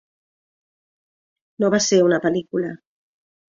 No va ser una pel·lícula.